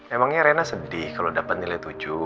emangnya rena sedih kalo dapet nilai tujuh